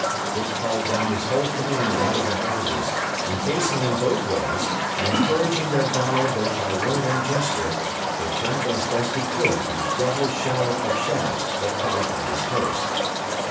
Dick called down his whole command out of the houses, and facing them both ways, and encouraging their valour both by word and gesture, returned as best he could the double shower of shafts that fell about his post.